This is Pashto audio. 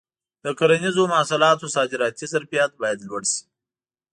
د کرنیزو محصولاتو صادراتي ظرفیت باید لوړ شي.